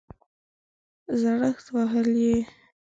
زړښت وهلی